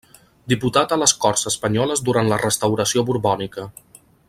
Diputat a les Corts Espanyoles durant la restauració borbònica.